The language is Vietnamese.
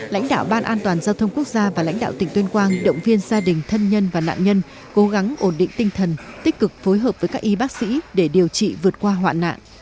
lãnh đạo ban an toàn giao thông quốc gia và lãnh đạo tỉnh tuyên quang động viên gia đình thân nhân và nạn nhân cố gắng ổn định tinh thần tích cực phối hợp với các y bác sĩ để điều trị vượt qua hoạn nạn